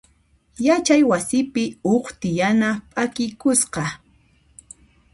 Yachay wasipi huk tiyana p'akikusqa.